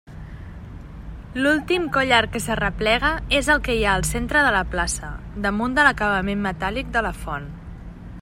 L'últim collar que s'arreplega és el que hi ha al centre de la plaça, damunt de l'acabament metàl·lic de la font.